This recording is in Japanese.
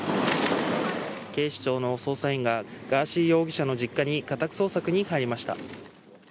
警視庁の捜査員がガーシー容疑者の実家に家宅捜索に入りました。